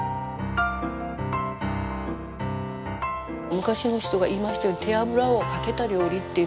昔の人が言いましたように「手脂をかけた料理」って言うんですよね。